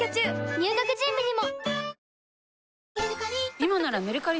入学準備にも！